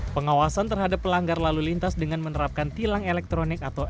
pengawasan terhadap pelanggar lalu lintas dengan menerapkan tilang elektronik atau